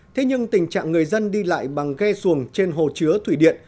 thế nhưng tình trạng người dân đi lại bằng ghe xuồng trên hồ chứa thủy điện